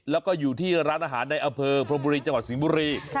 แล้วก็อยู่ที่ร้านอาหารในอำเภอพรมบุรีจังหวัดสิงห์บุรี